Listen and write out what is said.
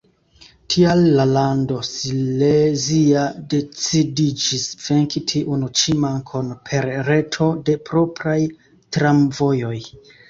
Tial la lando silezia decidiĝis venki tiun ĉi mankon per reto de propraj tramvojoj.